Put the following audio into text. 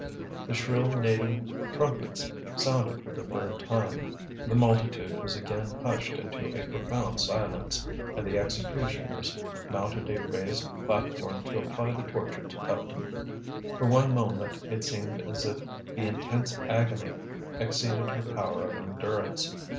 The shrill native trumpets sounded for the third time. The multitude was again hushed into a profound silence, and the executioners mounted a raised platform to apply the torture to Tuptim. For one moment it seemed as if the intense agony exceeded her power of endurance.